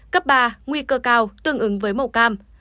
cấp ba nguy cơ cao tương ứng với màu cam